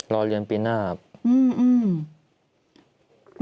รอเรียนปีหน้าครับ